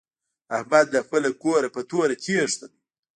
احمد له خپله کوره په توره تېښته دی.